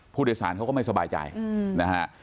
ผู้โดยสารเขาก็ไม่สบายใจนะฮะ